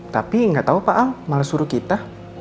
tapi nggak tahu pak al malah suruh kita